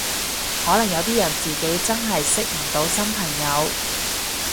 可能有啲人自己真係識唔到新朋友